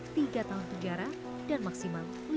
tiga tahun penjara dan maksimal